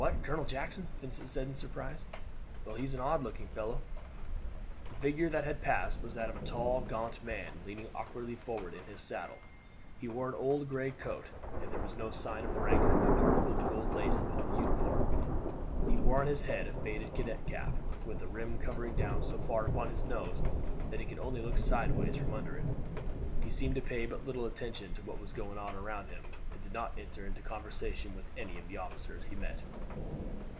Colonel Jackson!" Vincent said in surprise. "Well, he is an odd looking fellow." The figure that had passed was that of a tall, gaunt man, leaning awkwardly forward in his saddle. He wore an old gray coat, and there was no sign of rank, nor particle of gold lace upon the uniform. He wore on his head a faded cadet cap, with the rim coming down so far upon his nose that he could only look sideways from under it. He seemed to pay but little attention to what was going on around him, and did not enter into conversation with any of the officers he met.